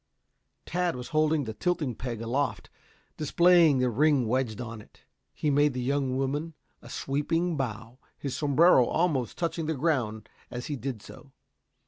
Tad was holding the tilting peg aloft, displaying the ring wedged on it. He made the young woman a sweeping bow, his sombrero almost touching the ground as he did so.